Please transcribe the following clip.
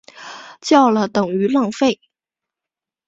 叫了等于浪费